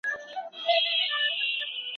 موږ باید خپله انشا او املا سمه کړو.